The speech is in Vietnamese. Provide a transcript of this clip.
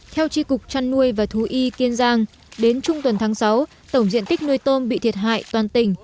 theo tri cục trăn nuôi và thú y kiên giang đến trung tuần tháng sáu tổng diện tích nuôi tôm bị thiệt hại toàn tỉnh